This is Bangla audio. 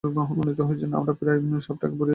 আমরা প্রায় শপটাকে পুড়িয়েই দিতে যাচ্ছিলাম।